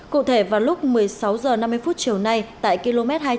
cụ thể vào lúc một mươi sáu h năm mươi chiều nay tại km hai trăm linh hai trăm linh